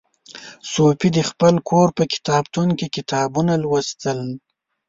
صوفي د خپل کور په کتابتون کې کتابونه لوستل.